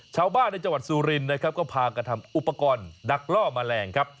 ชาวบ้านในจังหวัดสุรินนะครับก็พากันทำอุปกรณ์ดักล่อแมลงครับ